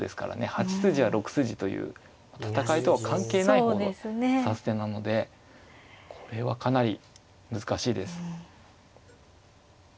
８筋や６筋という戦いとは関係ない方を指す手なのでこれはかなり難しいです。